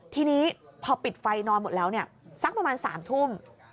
ทีนี้พอปิดไฟนอนหมดแล้วสักประมาณ๓ทุ่ม